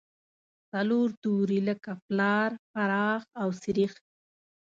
څلور توري لکه پلار، پراخ او سرېښ.